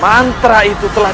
mantra itu telah